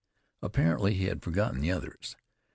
Apparently he had forgotten the others.